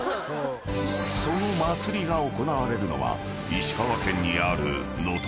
［その祭りが行われるのは石川県にある］